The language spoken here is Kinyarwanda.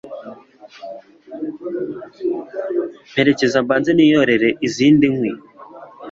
mpereza mbanze niyorere izi nkwi